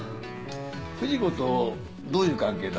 藤子とどういう関係だ？